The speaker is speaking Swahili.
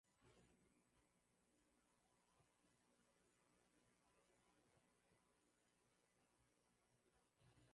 Magreth aliagiza chakula lakini Jacob hakufanya hivyo akidai tumbo lilikuwa bado limejaa